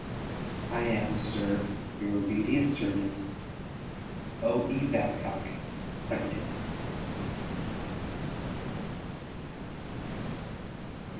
I am, sir, your obedient servant, O.E. BABCOCK, Secretary.